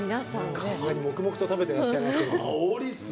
黙々と食べていらっしゃいます。